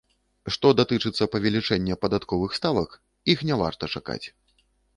Што датычыцца павелічэння падатковых ставак, іх не варта чакаць.